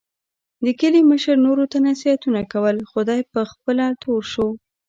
د کلي مشر نورو ته نصیحتونه کول، خو دی په خپله تور شو.